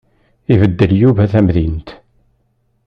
Ibeddel Yuba tamdint.